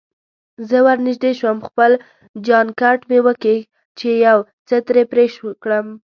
زه ورنژدې شوم، خپل جانکټ مې وکیښ چې یو څه ترې پرې کړم.